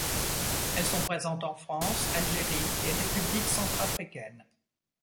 Elles sont présentes en France, Algérie et République centrafricaine.